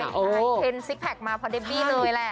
ใช่เทรนด์ซิกแพคมาพอเดบี้เลยแหละ